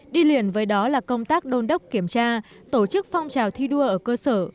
đi liền với đó là công tác đôn đốc kiểm tra tổ chức phong trào thi đua ở cơ sở